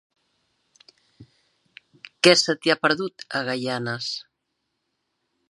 Què se t'hi ha perdut, a Gaianes?